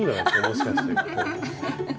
もしかして。